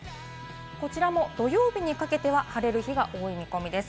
こちらも土曜日にかけては晴れる日が多い見込みです。